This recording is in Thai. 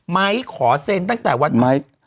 ไม้ขอเซ็นตั้งแต่วัน